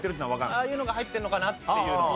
ああいうのが入ってるのかなっていうのは。